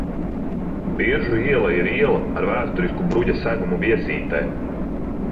Biržu iela ir iela ar vēsturisku bruģa segumu Viesītē.